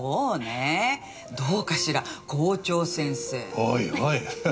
おいおい。